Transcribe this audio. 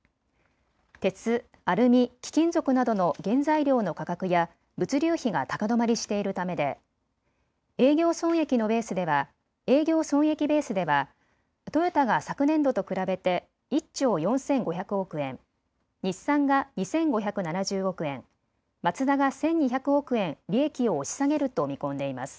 鉄、アルミ、貴金属などの原材料の価格や物流費が高止まりしているためで営業損益のベースでは営業損益ベースではトヨタが昨年度と比べて１兆４５００億円、日産が２５７０億円、マツダが１２００億円利益を押し下げると見込んでいます。